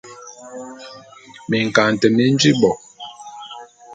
Minkaňete mi mi nji bo betot.